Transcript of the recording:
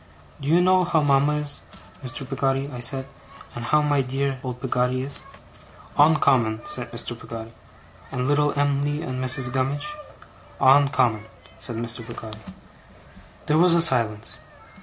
'Do you know how mama is, Mr. Peggotty?' I said. 'And how my dear, dear, old Peggotty is?' 'Oncommon,' said Mr. Peggotty. 'And little Em'ly, and Mrs. Gummidge?' 'On common,' said Mr. Peggotty. There was a silence.